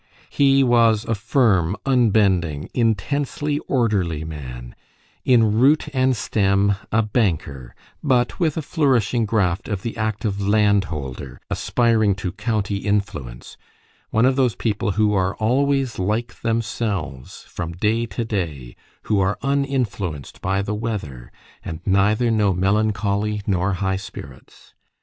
He was a firm, unbending, intensely orderly man, in root and stem a banker, but with a flourishing graft of the active landholder, aspiring to county influence: one of those people who are always like themselves from day to day, who are uninfluenced by the weather, and neither know melancholy nor high spirits.